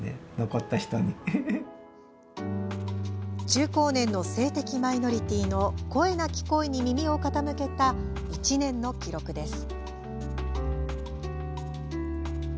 中高年の性的マイノリティーの声なき声に耳を傾けた１年の記録です。